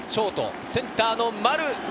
センターの丸。